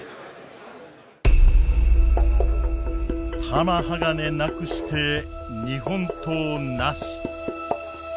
玉鋼なくして日本刀なし。